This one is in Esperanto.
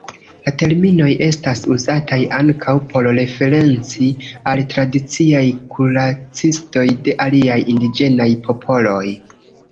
La terminoj estas uzataj ankaŭ por referenci al tradiciaj kuracistoj de aliaj indiĝenaj popoloj.